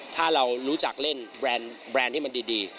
ถ้าเรารู้จักเล่นแบรนด์ที่มันดี